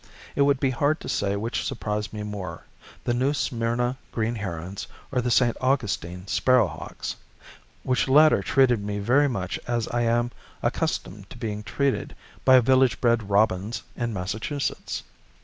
It would be hard to say which surprised me more, the New Smyrna green herons or the St. Augustine sparrow hawks, which latter treated me very much as I am accustomed to being treated by village bred robins in Massachusetts.